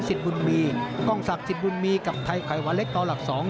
บุญมีกล้องศักดิ์สิทธิ์บุญมีกับไทยไข่หวานเล็กต่อหลักสอง